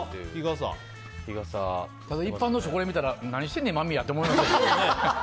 一般の人、これ見たら何してんねん、間宮って思いますよね。